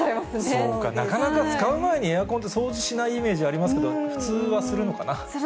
そうか、なかなか使う前にエアコンって掃除しないイメージありますけど、普通はするのかな。